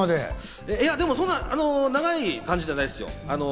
そんな長い感じではないですよ。